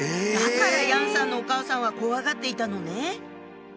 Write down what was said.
だから楊さんのお母さんは怖がっていたのね。